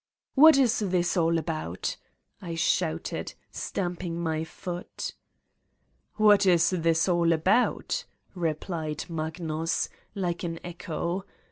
"What is this all about? " I shouted, stamping my foot. "What is this all about f " replied Magnus, like an echo.